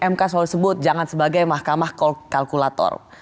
mk selalu sebut jangan sebagai mahkamah kalkulator